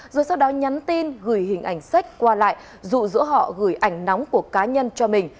rồi sau đó nhắn tin gửi hình ảnh sách qua lại rụ rỗ họ gửi ảnh nóng của cá nhân cho mình